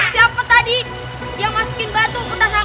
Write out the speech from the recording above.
siapa tadi yang masukin batu ke tas aku